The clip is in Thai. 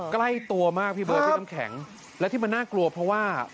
ใกล้ตัวมากพี่เบิร์ดพี่น้ำแข็งและที่มันน่ากลัวเพราะว่า